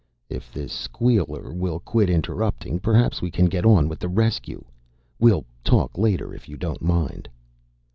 "If this squeaker will quit interrupting, perhaps we can get on with the rescue. We'll talk later, if you don't mind."